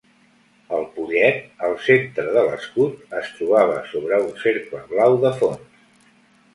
El pollet, al centre de l'escut, es trobava sobre un cercle blau de fons.